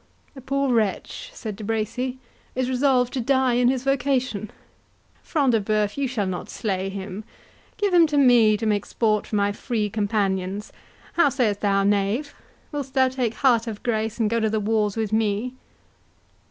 "The poor wretch," said De Bracy, "is resolved to die in his vocation.—Front de Bœuf, you shall not slay him. Give him to me to make sport for my Free Companions.—How sayst thou, knave? Wilt thou take heart of grace, and go to the wars with me?"